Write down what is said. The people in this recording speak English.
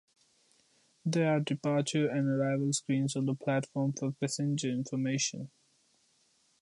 There are departure and arrival screens on the platform for passenger information.